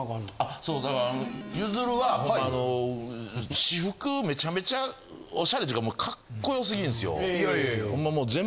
そうだからゆずるは私服めちゃめちゃおしゃれっちゅうかカッコよすぎるんですよ。いやいや。